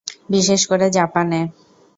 বিশেষ করে জাপানে।